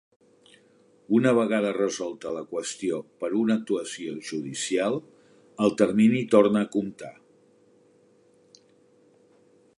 Una vegada resolta la qüestió per una actuació judicial, el termini torna a comptar.